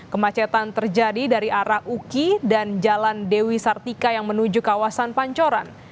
kemacetan terjadi dari arah uki dan jalan dewi sartika yang menuju kawasan pancoran